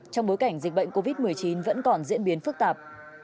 trong bối cảnh dịch bệnh covid một mươi chín vẫn còn diễn biến phức tạp